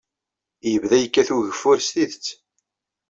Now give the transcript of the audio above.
Yebda yekkat ugeffur s tidet.